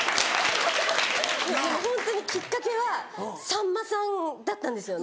ホントにきっかけはさんまさんだったんですよね。